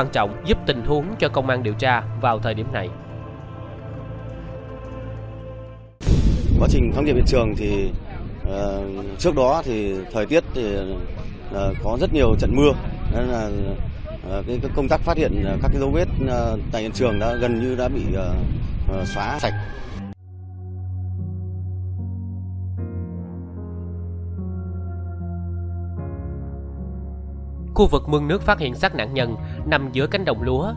khu vực nước phát hiện gi incident ở khu chấn paradigm nằm giữa cánh đồng lúa